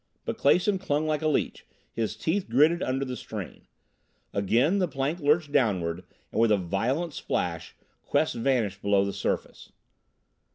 But Clason clung like a leech, his teeth gritted under the strain. Again the plank lurched downward, and with a violent splash Quest vanished below the surface.